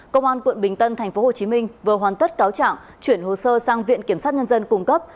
công an quận bình tân tp hcm vừa hoàn tất cáo trạng chuyển hồ sơ sang viện kiểm sát nhân dân cung cấp